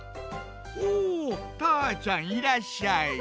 おおたーちゃんいらっしゃい。